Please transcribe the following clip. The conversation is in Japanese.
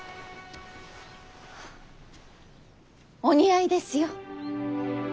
お似合いですよ。